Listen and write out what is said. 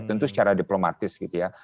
tentu secara diplomatis gitu ya